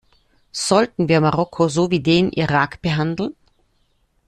Sollen wir Marokko so wie den Irak behandeln?